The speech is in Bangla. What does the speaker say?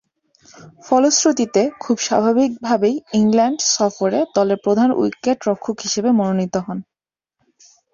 ফলশ্রুতিতে, খুব স্বাভাবিকভাবেই ইংল্যান্ড সফরে দলের প্রধান উইকেট-রক্ষক হিসেবে মনোনীত হন।